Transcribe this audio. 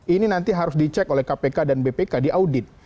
ini nanti harus dicek oleh kpk dan bpk diaudit